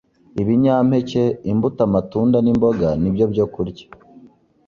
Ibinyampeke, imbuto amatunda n’imboga ni byo byokurya